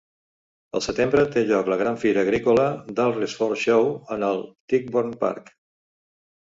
Al setembre té lloc la gran fira agrícola d'Alresford Show, en el Tichborne Park.